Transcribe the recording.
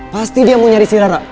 pasti dia mau nyari si rara